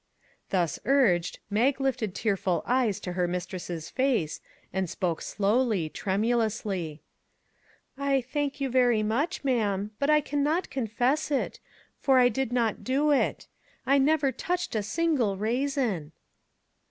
Thus urged, Mag lifted tearful eyes to her mistress's face, and spoke slowly, tremulously: " I thank you very much, ma'am ; but I can not confess it, for I did not do it. I never touched a single raisin."